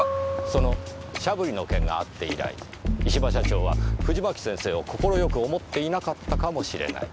その「シャブリ」の件があって以来石場社長は藤巻先生を快く思っていなかったかもしれない。